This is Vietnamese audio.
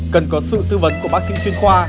cần có sự tư vấn của bác sĩ chuyên khoa